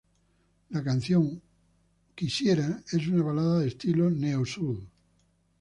La canción "I Would" es una balada del estilo neo soul.